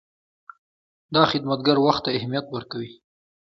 دا خدمتګر وخت ته اهمیت ورکوي.